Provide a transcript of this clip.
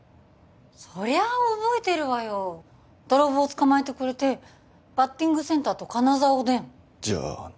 そりゃあ覚えてるわよ泥棒捕まえてくれてバッティングセンターと金沢おでんじゃあ